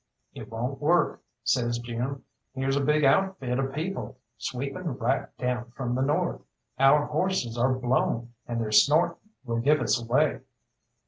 "It won't work," says Jim, "here's a big outfit of people sweeping right down from the north. Our horses are blown, and their snorting will give us away."